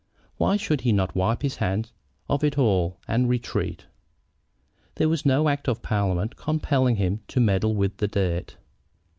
Why should he not wipe his hands of it all and retreat? There was no act of parliament compelling him to meddle with the dirt.